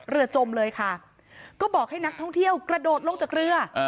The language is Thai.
จมเลยค่ะก็บอกให้นักท่องเที่ยวกระโดดลงจากเรือ